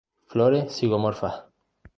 Flores zigomorfas.